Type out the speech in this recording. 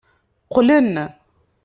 Qqlen.